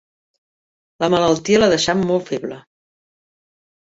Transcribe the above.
La malaltia l'ha deixat molt feble.